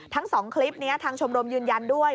ทั้ง๒คลิปนี้ทางชมรมยืนยันด้วย